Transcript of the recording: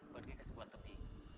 berdiri ke sebuah tepi